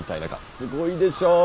すごいでしょ？